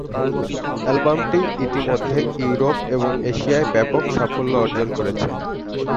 অ্যালবামটি ইতিমধ্যে ইউরোপ এবং এশিয়ায় ব্যাপক সাফল্য অর্জন করেছে।